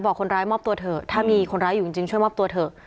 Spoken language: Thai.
บอกคนร้ายมอบตัวเถอะถ้ามีคนร้ายอยู่จริงช่วยมอบตัวเถอะ